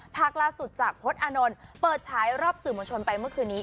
ล่าสุดจากพจน์อานนท์เปิดฉายรอบสื่อมวลชนไปเมื่อคืนนี้